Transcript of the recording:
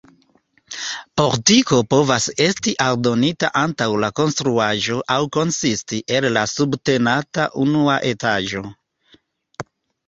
Portiko povas esti aldonita antaŭ la konstruaĵo aŭ konsisti el la subtenata unua etaĝo.